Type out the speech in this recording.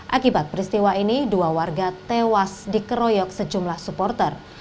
akibat peristiwa ini dua warga tewas dikeroyok sejumlah supporter